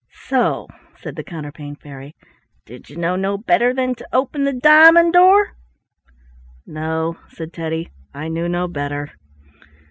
"So!" said the Counterpane Fairy. "Did you know no better than to open the diamond door?" "No," said Teddy, "I knew no better."